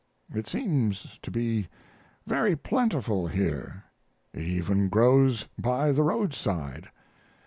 It seems to be very plentiful here; it even grows by the roadside."